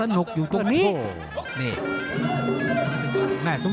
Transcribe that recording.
ของสนุกอยู่ตรงนี้โถ้